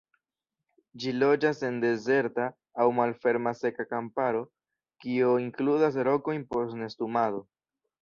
Ĝi loĝas en dezerta aŭ malferma seka kamparo kio inkludas rokojn por nestumado.